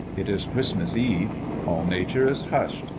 It is Christmas Eve. All nature is hushed.